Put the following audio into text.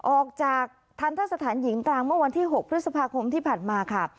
ออกจากทันทะสถานหญิงกลางเมื่อวันที่๖พฤษภาคมที่ผ่านมาค่ะ